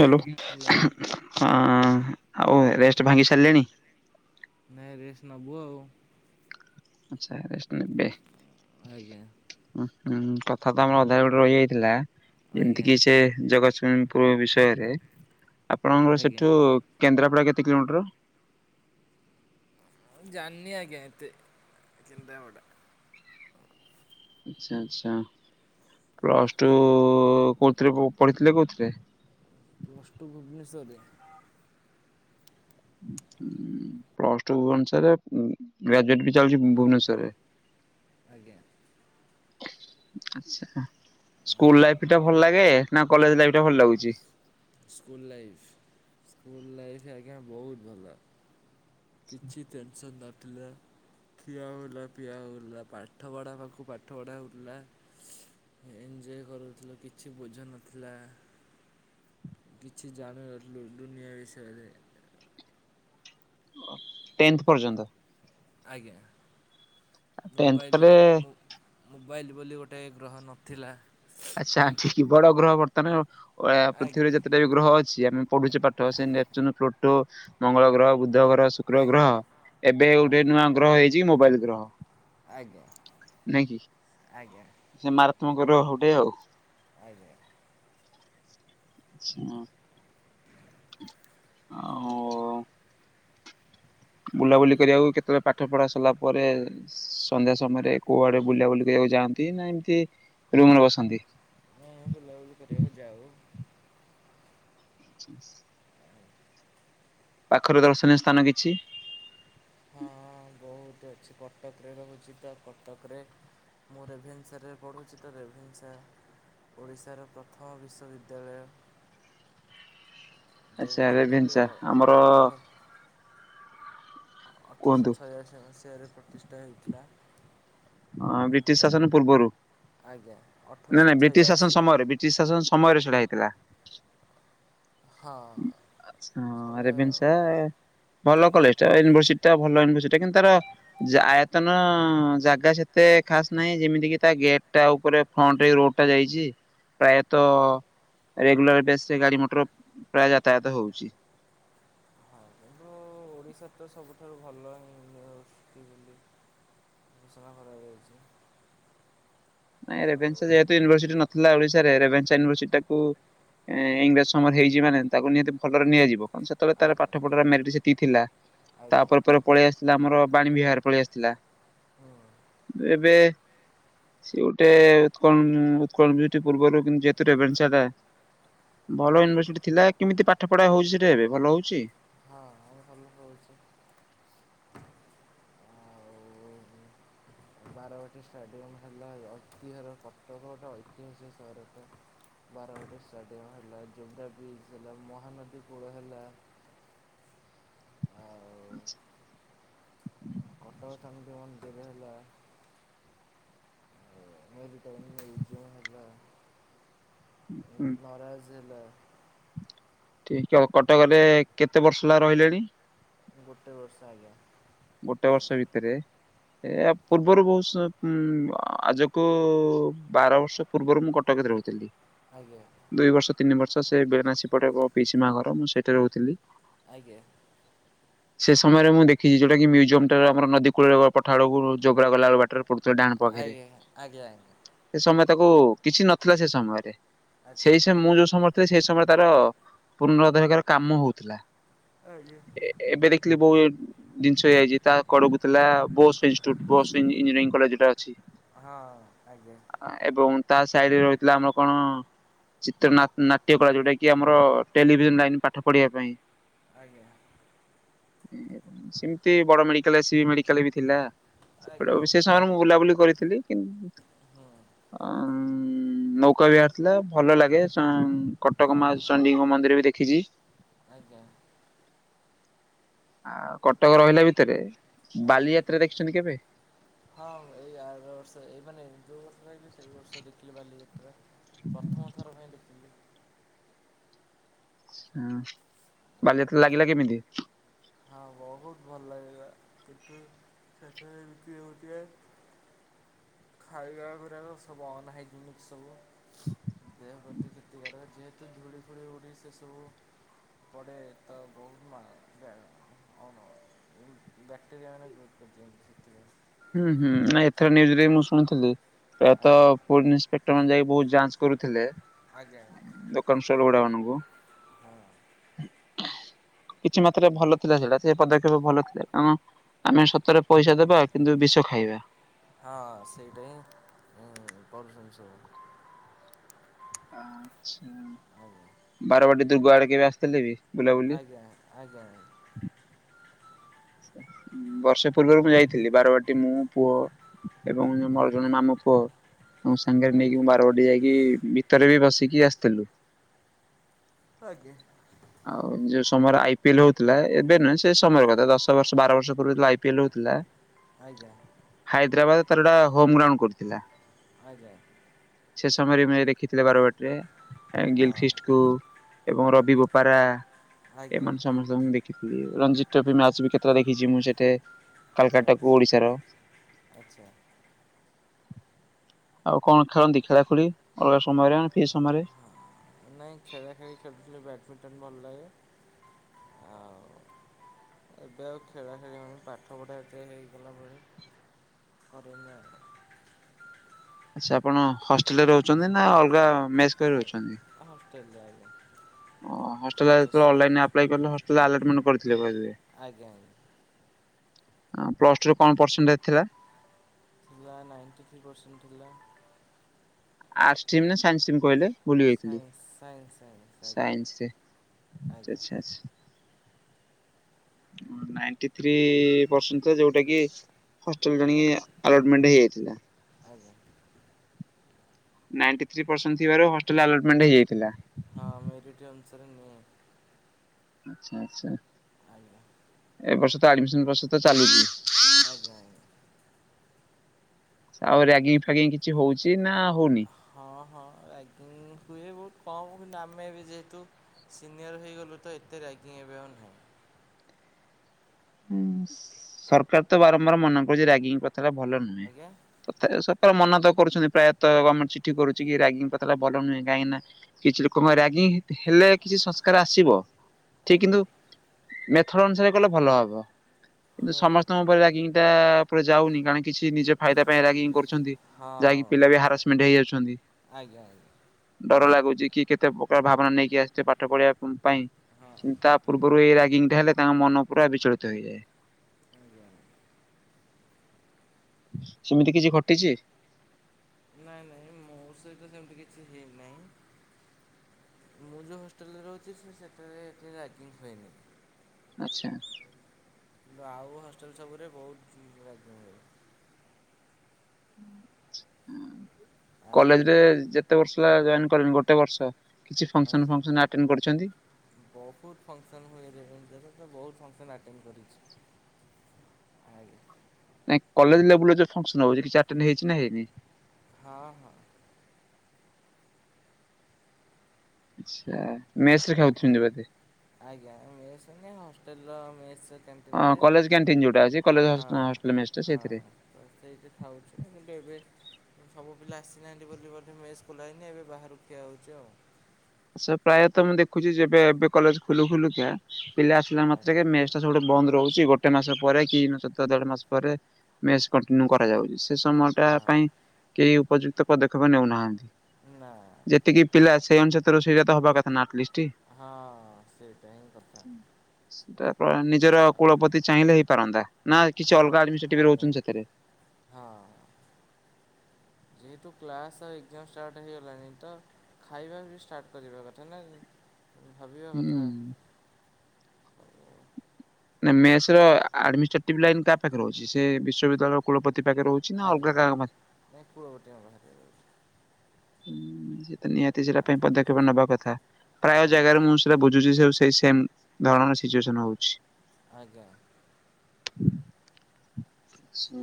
Hello hello ହଁ ଆଉ ଆଜ୍ଞା ରେଷ୍ଟ ଭାଙ୍ଗି ସାରିଲେଣି। ନାଇ ରେସ୍ ନବୁଆଉ। ଆଛା ରେଷ୍ଟ ନେବେ। ଆଜ୍ଞା। ଉଁ ହୁଁ କଥା ତ ଆମର ଅଧାରେ ଗୋଟେ ରହିଯାଇଥିଲା ଯେମିତି ଆଜ୍ଞା। କିି ସେ ଜଗସିଂହ ପୁର ବିଷୟରେ, ଆପଣଙ୍କର ଆଜ୍ଞା। ସେଠୁ କେନ୍ଦ୍ରାପଡ଼ା କେତେ କିଲୋମିଟର? ମୁଁ ଜାଣିନି ଆଜ୍ଞା ଏତେ କେନ୍ଦ୍ରାପଡ଼ା। ଆଚ୍ଛା ଆଚ୍ଛା ପ୍ଲସ୍ ଟୁ କୋଉଥିରେ ପଢ଼ିଥିଲେ କଉଥିରେ? ପ୍ଲସ୍ ଟୁ ଭୁବନେଶ୍ଵରରେ। ପ୍ଲସ୍ ଟୁ ଭୁବନଶୋର ରେ ଉଁ। ଗ୍ରାଜୁଏଟ ବି ଚାଲିୁଛି ଆଜ୍ଞା ଭୁବନେଶ୍ଵର ରେ। ଆଜ୍ଞା ଆଛା ସ୍କୁଲ ଲାଇଫ ଟା ଭଲ ଲାଗେ ନା କଲେଜ ଲାଇଫ ଟା ଭଲ ଲାଗୁଛି? ସ୍କୁଲ ଲାଇଫ୍ ସ୍କୁଲ୍ ଲାଇଫ୍ ଆଜ୍ଞା ବହୁତ ଭଲ। କିଛି ଟେନସନ୍ ନଥିଲା। ଖିଆ ହଉଥିଲା ପିଆ ହଉଥିଲା ପାଠ ପଢା ପାଖକୁ ପାଠ ପଢ଼ା ହଉଥୀଲା। ଏଞ୍ଜୟ କରୁଥିଲୁ କିଛି ବୋଝ ନଥିଲା। କିଛି ଜାଣୁ ନ ଥିଲୁ ଦୁନିଆ ବିଷୟରେ। ଟେନ୍ଥ ପର୍ଯ୍ୟନ୍ତ। ଆଜ୍ଞା ଟେନ୍ଥ ମୋବାଇଲ ପରେ ବୁ ମୁଁ ମୋବାଇଲ ବୋଲି ଗୋଟିଏ ଗ୍ରହ ନଥିଲା। ଆଚ୍ଛା ଆଣ୍ଟି କି ବଡ ଗ୍ରହ ବର୍ତ୍ତମାନ ଆଉ ଓ‌ଆ ଆଜ୍ଞା ପୃଥିବୀରେ ଯେତେଟା ବି ଗ୍ରହ ଅଛି ଆମେ ପଢୁଛେ ପାଠ, ସେ ନେପଚୁନ, ପ୍ଲୁଟୋ, ମଙ୍ଗଳ ଗ୍ରହ, ବୁଦ୍ଧ ଗ୍ରହ, ଶୁ ଶୁକ୍ର ଆଜ୍ଞା ଗ୍ରହ, ଏବେ ହଁ ଗୋଟେ ନୂଆ ଗ୍ରହ ହେଇଛି ମୋବାଇଲ ଗ୍ରହ। ଆଜ୍ଞା। ନାଇଁ କି ଆଜ୍ଞା ସେ ମାରାତ୍ମ ଗ୍ରହ ଗୋଟେ ଆଉ। ଆଜ୍ଞା। ଶୁଣ ଆପଣ ହଁ। ବୁଲାବୁଲି କରିବାକୁ କେତେବେଳେ ପାଠ ପଢା ସରଲା ପରେ ସନ୍ଧ୍ୟା ସମୟରେ କୋଉଆଡେ ବୁଲାବୁଲି କରିବାକୁ ଯାଆନ୍ତି ନା ଏମତି ରୁମରେ ବସନ୍ତି? ନାଇଁ ଏ ବୁଲା ବୁଲି କରିବାକୁ ଯାଉ। ଛାସ୍ ପାଖରେ ଦର୍ଶନୀୟ ସ୍ଥାନ କିଛି? ହଁ ବୋହୁତ ଅଛି କଟକରେ ରହୁଚି ତ କଟକରେ ମୁଁ ରେଭେନ୍ସାରେ ପଢ଼ୁଚି ତ ରେଭେନ୍ସା ଓଡ଼ିଶାର ପ୍ରଥମ ବିଶ୍ଵବିଦ୍ୟାଳୟ। ଯେଉଁ ଆଛା ଯେଉଁଟାକି ରେଭେନ୍ସା ଆମର ଅଠ ଅଠରଶହ କୁହନ୍ତୁ ଛୟାଅଶୀ ମସିହାରେ ପ୍ରତିଷ୍ଠା ହେଇଥିଲା। ହଁ ବ୍ରିଟିଶ ଶାସନ ପୂର୍ବରୁ ଆଜ୍ଞା ନାଇଁ ଅଠରଶହ ନାଇଁ ବ୍ରିଟିଶ ଛୟାଅଶୀ ଶାସନ ସମୟରେ ବି ଟିସ୍ ଶାସନ ସମୟରେ ସେଟା ହେଇଥିଲା। ହଁ। ଆଛା ହଁ ଆମେ ରେଭେନ୍ସା ଭଲ କଲେଜଟା ୟୁନିଭର୍ସିଟିଟା ଭଲ ୟୁନିଭର୍ସିଟିଟା କିନ୍ତୁ ତାର ଜା ଆୟତନ ଜାଗା ସେତେ ଖାସ ନାହିଁ ଯେମିତି କି ତା ଗେଟଟା ଉପରେ ଫ୍ରଣ୍ଟରେ ରୋଡଟା ଯାଇଚି ପ୍ରାୟତଃ ରେଗୁଲାର ବେସରେ ଗାଡି ମଟର ପ୍ରାୟ ଯାତାୟାତ ହୋଉଚି। ହଁ କିନ୍ତୁ ଓଡ଼ିଶାର ତ ସବୁଠାରୁ ଭଲ ୟୁନିଭର୍ସିଟି ବୋଲି ସୁଚନା କରାଯାଇଚି। ନାଇଁ ରେଭେନ୍ସା ଯେହେତୁ ୟୁନିଭର୍ସିଟି ନଥିଲା ଓଡିଶାରେ ରେଭେନ୍ସା ୟୁନିଭର୍ସିଟିଟାକୁ ଏ ଇଂରେଜ ସମୟରେ ହେଇଚି ମାନେ ତାକୁ ନିହାତି ଭଲରେ ନିଆଯିବ। ଅଁ ସେତଳେ ତାର ଆଜ୍ଞା ପାଠପଢାର ମେରିଟି ସେତିକି ଥିଲା ଆଜ୍ଞା ତାପରେ ପରେ ପଳେଇ ଆସଥିଲା ଆମର ବାଣୀ ବିହାରରେ ପଳେଇ ଆସଥିଲା। ହୁଁ ଏବେ ସିଏ ଗୋଟେ ଉତ୍କଳ ଉଁ ଉକଳ ୟୁନିଟି ପୂର୍ବରୁ କିନ୍ତୁ ଯେହେତୁ ରେଭେନ୍ସାଟା ଭଲ ଆଜ୍ଞା ୟୁନିଭର୍ସିଟି ଥିଲା କେମିତି ପାଠ ପଢା ହୋଉଛି ସେଟା ଏବେ ଭଲ ହୋଉଛି। ହଁ ଆମେ ଭଲ ହୋଉଛି। ଆଉ ବାରବାଟୀ ଷ୍ଟାଡ଼ିୟମ୍ ହେଲା ଐତିହ୍ୟର କଟକଟା ଐତିହାସିକ ସହରଟା। ବାରବାଟୀ ଷ୍ଟାଡିୟମ ହେଲା, ଯୋବ୍ରା ବିଚ୍ ହେଲା, ମହାନଦୀ କୂଳ ହେଲା ଆଉ ଆଛା। କଟକ ଚଣ୍ଡି ମନ୍ଦିର ହେଲା ମେରି ଟାଇମ ଏଁ ଯୋଉ ହେଲା ଉଁ ହୁଁ ମହାରାଜ ହେଲା। ଠିକି ଆଉ କଟକରେ କେତେ ବର୍ଷ ହେଲା ରହିଲେଣି? ଗୋଟେ ବର୍ଷ ଆଜ୍ଞା। ଗୋଟେ ବର୍ଷ ଭିତରେ ଏ ଆ ପୂର୍ବରୁ ବୋହୁତ ସ ଉଁମ୍ ଆଜକୁ ବାର ବର୍ଷ ପୂର୍ବରୁ ମୁଁ କଟକରେ ତ ରହୁଥିଲି। ଆଜ୍ଞା। ଦୁଇ ବର୍ଷ ତିନି ବର୍ଷ ସେ ବେନାସୀପଟେ ମୋ ପିଇସି ମାଆ ଘର ମୁଁ ସେଇଠି ରହୁଥିଲି। ଆଜ୍ଞା। ସେ ସମୟରେ ମୁଁ ଦେଖିଚି ଯୋଉଟା କି ମ୍ୟୁଜିୟମଟା ଆମର ନଦୀ କୂଳରେ ଓ ପଠା ଉଳକୁ ଯୋଗ୍ରା ଗଲାବେଳକୁ ବାଟରେ ପ ସେ ଡାହାଣ ପଘେରେ ଆଜ୍ଞା ଆଜ୍ଞା ସେ ସମୟ ତାକୁ କିଛି ନଥିଲା ସେ ସମୟରେ। ଆଜ୍ଞା ସେଇ ଆଚ୍ଛା ସମୟ ମୁଁ ଯୋଉ ସମୟରେ ଥିଲି ସେଇ ସମୟରେ ତାର ପୁନ ଦେହେକାର କାମ ହୋଉଥୁଲା। ଆ ଇଏ ଏବେ ଦେଖିଲି ବୋଉ ଜିନିଷ ହେଇଯାଇଛି ତା କଡକୁ ଥିଲା ବସ୍ ଇଟି୍ୟୁଟ ବସ୍ ଇଞ୍ଜିନିୟରିଂ କଲେଜଟା ଅଛି। ହଁ, ଆଜ୍ଞା। ଏବଂ ତା ସାଇଡି ରେ ରହିଥିଲା। ଆମର କଣ ଚିତ୍ରନାନାଟ୍ୟ କଳା ଯୋଉଟା କି ଆମର ଟେଲିଭିଜନ ଲାଇନ ପାଠ ପଢିବା ପାଇଁ। ଆଜ୍ଞା। ସେମିତି ବଡ ମେଡିକାଲ ସି ମେଡିକାଲ ବି ଥିଲା ସେପଟେ ଆଜ୍ଞା ବିଶେଷ ସେମାନେ ମୁଁ ବୁଲାବୁଲି କରିଥିଲି। ହୁଁ କିନ୍ତୁ ଉଁ ମୋ କହିବାର ଭଲ ଲାଗେ ସେ ହଁ କଟକ ମାଉସୀ ଚଣ୍ଡୀଙ୍କ ମନ୍ଦିର ବି ଦେଖିଚି। ଆଜ୍ଞା। ଆ କଟକ ରହିଲା ଭିତରେ ଆଜ୍ଞା ବାଲିଯାତ୍ରା ଦେଖିଚନ୍ତି କେବେ? ହଁ, ଏଇ ଆର ବର୍ଷ ଏଇ ମାନେ ଯୋଉ ବର୍ଷ ରହିବି ସେଇ ବର୍ଷ ଦେଖିଲି ବାଲି ଯାତ୍ରା। ପ୍ରଥମ ଥରପାଇଁ ଦେଖନ୍ତୁ। ହଁ, ଆଜ୍ଞା ବାଲିଯାତ୍ରା ଲାଗିଲା କେମିତି? ହଁ, ବହୁତ ଭଲ ଲାଗିଲା ସେଠୀ ସେଠରେ ବିକିର ବିକ୍ରି ହୋଉଥିବା ଖାଇବା ଗୁଡାକ ସବୁ ଅନହାଇଜାନିକ ସବୁ। ଗୋଟେ ଜିତିବାରେ ତିନି ଧୂଳି ଖେଳିବ ଉଡେ ସେ ସବୁ। କୁଆଡେ ତା ବୋହୁ ବ୍ୟାଗ୍ ଆଣ। ଓହୋ ବ୍ୟାକ୍ଟେରିଆ ମାନେ [unintelligible] ହୁଁ, ହୁଁ, ନାଇ ଏଥର ନିଉଜୁ ରେ ମୁଁ ଶୁଣିଥିଲି ପ୍ରାୟତଃ ଆଜ୍ଞା କୋଡ଼ିଂସ୍ପେକ୍ଟ ତମେ ଯାଇ ବହୁତ ଯାଞ୍ଚ କରୁଥିଲେ। ଆଜ୍ଞା। ଦୋକାନ ସୋର ଭଡ଼ା ମାନଙ୍କୁ ହଁ କିଛି ମାତ୍ରାରେ ଭଲ ଥିଲା ସେଇଟା ସେ ପଦକ୍ଷେପ ଭଲ ଥିଲା କାରଣ ଆମେ ସତରେ ପଇସା ଦେବା କିନ୍ତୁ ଏ ବିଷ ଖାଇବା। ହଁ ସେଇଟା ହିଁ କରୁଚନ୍ତି ସବୁ। ଆଚ୍ଛା ଆଜ୍ଞା ବାରବାଟୀ ଦୁର୍ଗ ଆଡେ କେବେ ଆସିଥିଲେ ବି। ଆଜ୍ଞା ଆଜ୍ଞା। ବର୍ଷେ ପୂର୍ବରୁ ମୁଁ ଯାଇଥିଲି ବାରବାଟୀ ମୁଁ ପୁଅ ଏବଂ ମୋର ଜଣେ ମାମୁଁ ପୁଅ। ତମ ସାଙ୍ଗରେ ନେଇକି ମୁଁ ଆଜ୍ଞା ବାରବାଟୀ ଯାଇକି ଭିତରେ ବି ବସିକି ଆସିଥିଲୁ। ହଁ କି। ଆଉ ଯୋଉ ସମୟରେ ଆଇ ପି ଏଲ୍ ହୋଉଥିଲା ଏବେ ନାଇଁ ସେ ସମୟର କଥା ଦଶ ବର୍ଷ ବାର ବର୍ଷ ପୂର୍ବରୁ ଯେତେବେଳେ ଆଇ ପିଲେଲ୍ ହୋଉଥିଲା ଆଜ୍ଞା। ହାଇଦ୍ରାବାଦ ତାର ଗୋଟା ଗ୍ରାଉଣ୍ଡ କରିଥିଲା। ଆଜ୍ଞା। ସେ ସମୟରେ ଦେଖିଥିଲେ ବାରବାଟୀରେ ଗିଲ୍ ହଁ ଖ୍ରୀଷ୍ଟ କୁ ଏବଂ ରବି ଗୋ ପରା ଆଜ୍ଞା ଏମାନେ ସମସ୍ତଙ୍କୁ ମୁଁ ଦେଖିଥିଲି ରଞ୍ଜିତ ଟା ବି ମ୍ୟାଚ୍ ବି କେତେଟା ଦେଖିଛି ମୁଁ ସେତେ ଆଚ୍ଛା କାଲିସାର୍ଟ ଆଚ୍ଛା କୋଉ ଓଡିଶାର? ଆଚ୍ଛା ଆଉ କଣ ଖେଳନ୍ତି ଖେଳା ଖୁଳି ଅଲଗା ସମୟରେ ଏଇ ସମୟରେ? ହଁ ନାଇଁ ଖେଳା ଖେଳି ଖେଳୁଥିଲି ବ୍ୟାଡ଼ମିଣ୍ଟନ ଭଲ ଲାଗେ। ଆଉ ଏବେ ଆଉ ଖେଳା ଖେଳି ହବନି ପାଠ ପଢ଼ା ହେଇଗଲା ଭଳି କରିନି ଆଉ ଆଚ୍ଛା ଆପଣ ହଷ୍ଟେଲ ରେ ରହୁଚନ୍ତି ନା ଅଲଗା? ମେସ୍ କରି ରହିଛନ୍ତି ହଷ୍ଟେଲରେ ଆଜ୍ଞା ହୋଷ୍ଟେଲ୍ ରେ କ୍ୟାମ୍ପସ୍ ତ ଅନଲାଇନ୍ ଆପ୍ ଆପ୍ଲାଏ କଲେ ହଷ୍ଟେଲରେ ଆଲ୍ ମେଣ୍ଟ ପଡିଥିଲା କହିଦେବେ। ଆଜ୍ଞା ଆଜ୍ଞା। ଆଁ ପ୍ଲସ୍ ଟୁ ରେ କଣ ପରସେଣ୍ଟେଜ୍‌ ଥିଲା? ଥିଲା। ନାଇଣ୍ଟି ଥ୍ରୀ ପରସେଣ୍ଟେ ଥିଲା। ଆର୍ଟସ୍ ଟିମ୍ ନା ସାଇନ୍ସ ଟିମ୍ କହିଲେ? ଭୁଲିଯାଇ ଥିଲି ସାଇନ୍ସ ସାଇନ୍ସ ଆଜ୍ଞା ସାଇନ୍ସ ରେ ଆଜ୍ଞା [unintelligible] ମୋର ନାଇନ୍ଟି ଥ୍ରୀ ଆଜ୍ଞା ପରସେଣ୍ଟ ଯୋଉଟା କି। ହଷ୍ଟେଲ ଆଜ୍ଞା ଜଣିଏ ଆଲଟମେଣ୍ଟ ହେଇଯାଇଥିଲା। ଆଜ୍ଞା ନାଇଣ୍ଟି ଥ୍ରୀ ପରସେଣ୍ଟ ଥିବାରୁ ହଷ୍ଟେଲ୍ ଆଲଟମେଣ୍ଟ ହେଇଯାଇଥିଲା। ହଁ ମେରିଟ୍ ଅନୁଶାରେ ନିଏ। ଆଚ୍ଛା ଆଚ୍ଛା ଆଜ୍ଞା ଏ ବର୍ଷ ତ ଆଡମିସନ ପ୍ରୋସେସ ତ ଚାଲିଚି। ଆଜ୍ଞା ଆଜ୍ଞା। ଆଉ ରାଙ୍ଗୀଗ ଫାଗିଙ୍ଗ କିଛି ହଉଛି ନା ହଉନି? ହଁ ହଁ ରାଙ୍ଗୀଗ ହୁଏ ବହୁତ୍ କମ୍ କି ଆମେ ବି ଯେହେତୁ। ସିନିୟର ହେଇଗଲୁ ତ ଏତେ ରାଙ୍ଗି ଏବେ ଆଉ ନାହିଁ। ହୁଁ ସରକାର ତ ବାରମ୍ବାର ମନା କରୁଚି ରାଙ୍ଗିଗ କଥା ଟା ଭଲ ନୁହେଁ। ଆଜ୍ଞା ତଥାପି ସତରେ ମନା ତ କରୁଛନ୍ତି ପ୍ରାୟତଃ ଗମେଣ୍ଟ ଚିଠି କରୁଛି କି ରାଙ୍ଗୀଗ କଥାଟା ଭଲ ନୁହେଁ କାହିଁକି ନା। କିଛି ଲୋକଙ୍କ ରାଙ୍ଗୀଗ ହେଲେ କିଛି ସଂସ୍କାର ଆସିବ। ଠିକ୍ ଆଜ୍ଞା କିନ୍ତୁ ମେଥଡ୍ ଅନୁସାରେ କଲେ ଭଲ ହବ। କିନ୍ତୁ ହଁ ସମସ୍ତଙ୍କ ଉପରେ ରାଙ୍ଗୀଗ ଟା ପୁରା ଯାଉନି କାରଣ କିଛି ନିଜ ଫାଇଦା ପାଇଁ ରାଙ୍ଗୀଗ କରୁଛନ୍ତି। ଯାହା କି ହଁ ପିଲା ବି ହାରାସମେଣ୍ଟ ହେଇଯାଉଚନ୍ତି। ଆଜ୍ଞା ଆଜ୍ଞା। ଡର ଲାଗୁଛି କି କେତେ ପ୍ରକାର ଭାବନା ନେଇକି ଆସିଥିବେ ପାଠ ପଢିବା ପାଇଁ। ହଁ କିୁନ୍ତୁ ତା ଆଜ୍ଞା ପୂର୍ବରୁ ଏଇ ରାଙ୍ଗୀଗ ଟା ହେଲେ ତାଙ୍କ ମନ ପୁରା ବିଚଳିତ ହେଇଯାଏ। ଆଜ୍ଞା ସେମିତି କିଛି ଘଟିଛି। ନାଇଁ ନାଇଁ ମୋ ସହିତ ସେମିତି କିଛି ହେଇନାହିଁ। ମୁଁ ଯଉ ହଷ୍ଟେଲରେ ରହୁଛି ସେ ସେଠାରେ ଏତେ ରାଙ୍ଗୀଗ ହୁଏନି। ଆଚ୍ଛା। କିନ୍ତୁ ଆଉ ହଷ୍ଟେଲ ସବୁରେ ବହୁତ ପୁରା ଧୁମ ହୁଏ। ହଁ ଆଜ୍ଞା କଲେଜରେ ଯେ କେତେ ବର୍ଷ ହେଲା ଜଏନ କଲଣି ଗୋଟେ ବର୍ଷ କିଛି ଫଙ୍କସନ, ଆଜ୍ଞା ଫଙ୍କସନ ଆଟେଣ୍ଡ କରିଛନ୍ତି। ବହୁତ ଫଙ୍କସନ୍ ହୁଏ ରେ ଏଞ୍ଜୋୟ୍ ତ ପୁରା ବହୁତ ଫଙ୍କସନ୍ ଆଟେଣ୍ଡ କରିଛି। ଆଜ୍ଞା। ନାଇଁ କଲେଜ ଲେବୁଲ୍ ରେ ଯଉ ଫଙ୍କସନ୍ ହଉଚି କିଛି ଆଟେଣ୍ଡ୍ ହେଇଚି ନା ହେଇନି? ହଁ ହଁ। ଆଚ୍ଛା ମେସ ରେ ଖାଉଛନ୍ତି ବୋଧେ। ଆଜ୍ଞା ମେସ୍ ନୁହେଁ ହଷ୍ଟେଲର ମେସ୍ କ୍ୟାଣ୍ଟିନ ହଁ ଥାଏ କଲେଜ କ୍ୟାଣ୍ଟିନ ଯୋଉଟା ଅଛି କଲେଜ ହଁ ହଷ୍ଟେଲ ମେସଟା ହଁ ସେଇଥିରେ। ହଁ। ଅ ସେଇଠି ଖାଉଚୁ କିନ୍ତୁ ଏବେ। ସବୁ ପିଲା ଆସିନାହାନ୍ତି ବୋଲି ବୋଧେ ମେସ ଖୋଲା ହେଇନି ଏବେ ବାହାରୁ ଖିଆ ହଉଚି ଆଉ। ଆଚ୍ଛା ପ୍ରାୟତଃ ମୁଁ ଦେଖୁଛି ଯେ ଏବେ ଏବେ କଲେଜ ଖୁଲୁ ଖୁଲୁ କିଆଁ ପିଲା ଆସିଲା ମାତ୍ରେକେ ମେ [unintelligible] ଗୋଟେ ବନ୍ଦ ରହୁଛି ଗୋଟେ ମାସ ପରେ କି ନା ସତ୍ ଦେଢ ମାସ ପରେ। ମେସ କଣ୍ଟିନିଉ କରାଯାଉଛି ସେ ସମୟ ଟା ଆ- ପାଇଁ। କେହି ଉପଯୁକ୍ତ ପଦକ୍ଷେପ ନେଉନାହାନ୍ତି ହଁ ନା ଯେତିକି ପିଲା ସେଇ ଅନୁସା ତ ସେଇଟା ହବା କଥା ନା ଆଟଲିଷ୍ଟି। ହଁ ସେଇଟା ହିଁ କଥା। ସେଟା ପ ନିଜର ଆଉ କୁଳପତି ଚାହିଁଲେ ହେଇପାରନ୍ତା ନା କିଛି ହଁ ଅଲଗା ଆଡମିଷ୍ଟେଟିଭ ଆଜ୍ଞା ରହୁଛନ୍ତି ସେଥିରେ। ହଁ। ଯେହେତୁ କ୍ଲାସ ଆଉ ଏକ୍ଜାମ ଷ୍ଟାର୍ଟ ହେଇଗଲାଣି ତ। ଖାଇବା ବି ଷ୍ଟାର୍ଟ କରିବା କଥା ନା ଉଁ ଭାବିବା କଥା। ହୁଁ। ନା ମେସ ର ଆ-ଆଡମିଷ୍ଟେଟିଭ ଲାଇନ୍ କାହା ପାଖରେ ରହୁଛି? ସେ ବିଶ୍ୱବିଦ୍ୟାଳୟ କୁଳପତି ପାଖରେ ର ଆଜ୍ଞା ଆଜ୍ଞା ନାଇଁ କୁଳପତିଙ୍କ ପାଖରେ। ହୁଁ ସେ ତ ନିହାତି ସେଟା ପାଇଁ ଆଜ୍ଞା ପଦକ୍ଷେପ ନବା କଥା। ପ୍ରାୟ ହଁ ଜାଗାରେ ମୁଁ ସେଟା ବୁ ଯୋଉ ଯୋଉ ସବୁ ସେଇ ସେମ ଧରଣର ସିଚୁଏସନ ହଉଛି। ଆଜ୍ଞା।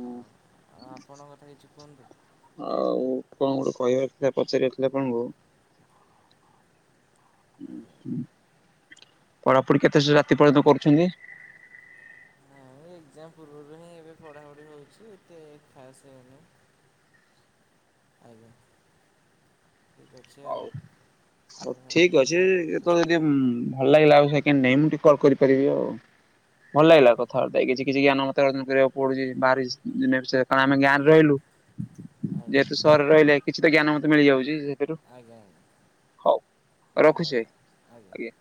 ହଁ। ଆଉ ଆପଣଙ୍କ କଥା କିଛି କୁହନ୍ତୁ? ଆଉ କଣ ଗୋଟେ କହିବାର ଥିଲା ପଚାରିବାର ଥିଲା ଆପଣଙ୍କୁ। ପଢାପଢି କେତେ ସେ ରାତି ପର୍ଯ୍ୟନ୍ତ କରୁଛନ୍ତି? ଏ ଏକ୍ଜାମ୍ ପୂର୍ବରୁ ହିଁ ଏବେ ପଢ଼ାପଢ଼ି ହେଉଛି ଏତେ ଖାସ୍ ହେଉନି। ଆଜ୍ଞା। ଠିକ୍ ଅଛି ଆଉ ହଉ ହଉ ଆପଣଙ୍କ ସାଙ୍ଗରେ ଠିକ୍ କଥା ଅଛି ହେଇ ବହୁତ ଖୁସି କେତେବେଳେ ଯଦି ଲାଗିଲା ଭଲ ଲାଗିଲା ଆଉ ସେକେଣ୍ଡ ଟାଇମ୍ ମୁଁ ଟିକେ କଲ୍ କରିପାରିବି ଆଉ ଭଲ ଲାଗିଲା ଆଜ୍ଞା କଥା ହ ତ କିଛି କିଛି ଜ୍ଞାନ ମତେ ଅର୍ଜନ କରିବାକୁ ପଡୁଛି ବାହାରେ ଯେ [inaudible] ଗାଁ ରେ ରହିଲୁ। ଆଜ୍ଞା ଯେହେତୁ ସହରରେ ରହିଲେ କିଛି ତ ଜ୍ଞାନ ମତେ ମିଳିଯାଉଛି ସେଥିରୁ। ଆଜ୍ଞା। ହଉ ରଖୁଛି ଭାଇ ଆଜ୍ଞା।